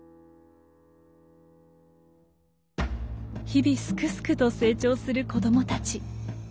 日々すくすくと成長する子供たち。